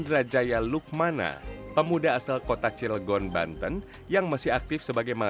saya terpikir bagaimana cara menciptakan aplikasi untuk mendeteksi secara dini